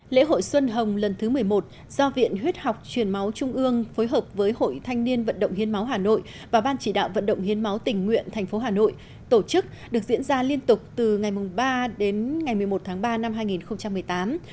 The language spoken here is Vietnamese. lễ hội xuân hồng lần thứ một mươi một do viện huyết học truyền máu trung ương phối hợp với hội thanh niên vận động hiến máu hà nội và ban chỉ đạo vận động hiến máu tình nguyện tp hà nội tổ chức được diễn ra liên tục từ ngày ba đến ngày một mươi một tháng ba năm hai nghìn một mươi tám